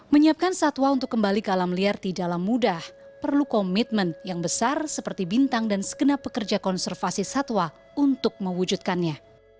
menyiapkan satwa untuk kembali ke alam liar di dalam mudah perlu komitmen yang besar seperti bintang dan segenap pekerja konservasi satwa untuk mewujudkannya